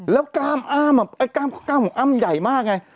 แล้วกล้ามอ้ามกล้ามของอ้ำใหญ่มากไง